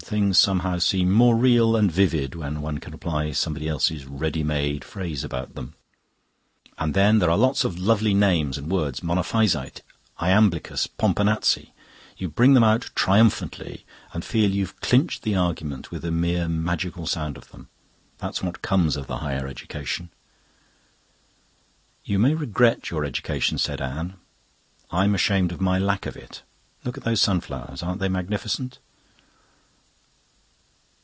Things somehow seem more real and vivid when one can apply somebody else's ready made phrase about them. And then there are lots of lovely names and words Monophysite, Iamblichus, Pomponazzi; you bring them out triumphantly, and feel you've clinched the argument with the mere magical sound of them. That's what comes of the higher education." "You may regret your education," said Anne; "I'm ashamed of my lack of it. Look at those sunflowers! Aren't they magnificent?"